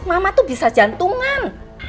mama tuh bisa jantungan